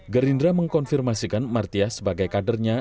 gerindra mengkonfirmasikan martias sebagai kadernya